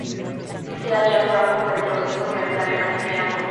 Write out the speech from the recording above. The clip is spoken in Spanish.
Se halla en franco retroceso frente al castellano.